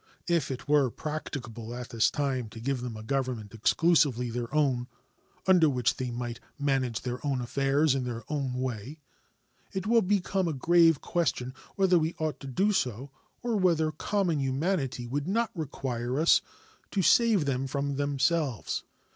If it were practicable at this time to give them a Government exclusively their own, under which they might manage their own affairs in their own way, it would become a grave question whether we ought to do so, or whether common humanity would not require us to save them from themselves.